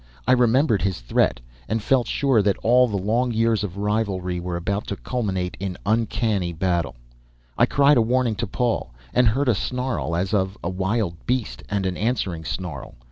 I remembered his threat, and felt sure that all the long years of rivalry were about to culminate in uncanny battle. I cried a warning to Paul, and heard a snarl as of a wild beast, and an answering snarl.